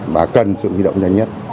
và cần sự huy động nhanh nhất